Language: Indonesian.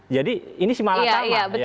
jadi ini simalatama